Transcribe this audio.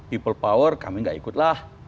people power kami gak ikut lah